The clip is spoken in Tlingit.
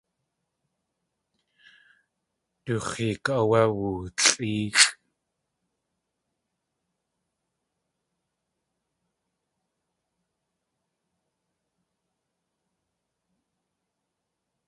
Du x̲eek áwé woolʼéexʼ.